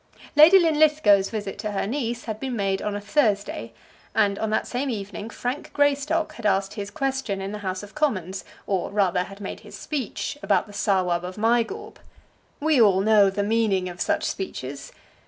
Lady Linlithgow's visit to her niece had been made on a Thursday, and on that same evening Frank Greystock had asked his question in the House of Commons, or rather had made his speech about the Sawab of Mygawb. We all know the meaning of such speeches.